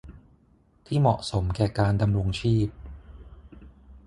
ที่เหมาะสมแก่การดำรงชีพ